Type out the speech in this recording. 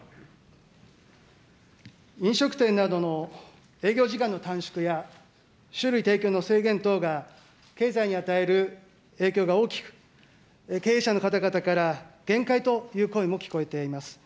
飲食店などの営業時間の短縮や酒類提供の制限等が経済に与える影響が大きく、経営者の方々から限界という声も聞こえています。